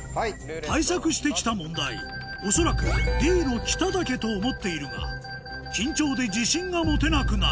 対策してきた問題恐らくＤの北岳と思っているが緊張で自信が持てなくなる